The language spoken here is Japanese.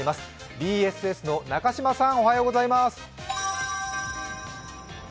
ＢＳＳの中島さんおはようございます。